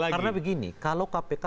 karena begini kalau kpk